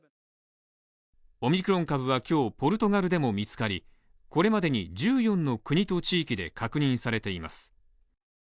オミクロン株は今日ポルトガルでも見つかり、これまでに１４の国と地域で確認されています。